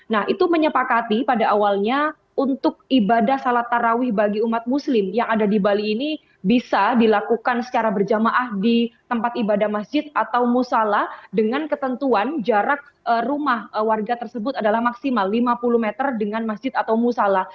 nah itu menyepakati pada awalnya untuk ibadah sholat tarawih bagi umat muslim yang ada di bali ini bisa dilakukan secara berjamaah di tempat ibadah masjid atau musala dengan ketentuan jarak rumah warga tersebut adalah maksimal lima puluh meter dengan masjid atau musala